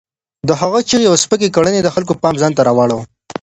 د هغه چیغې او سپکې کړنې د خلکو پام ځان ته رااړاوه.